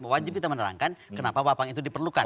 wajib kita menerangkan kenapa wapang itu diperlukan